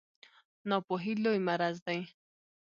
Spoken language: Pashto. ناپوهي لوی مرض دی